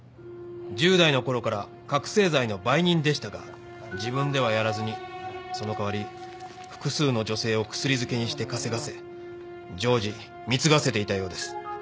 １０代のころから覚せい剤の売人でしたが自分ではやらずにその代わり複数の女性を薬漬けにして稼がせ常時貢がせていたようです。